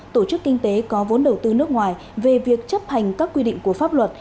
tổ chức kinh tế có vốn đầu tư nước ngoài về việc chấp hành các quy định của pháp luật